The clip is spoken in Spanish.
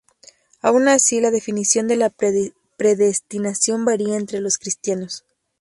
Aun así, la definición de la predestinación varía entre los cristianos.